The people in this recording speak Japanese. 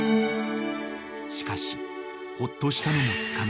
［しかしホッとしたのもつかの間］